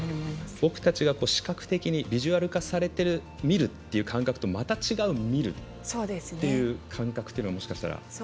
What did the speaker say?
僕たちが思うビジュアル化されて見るという感覚とまた違う、見るという感覚がもしかしたら。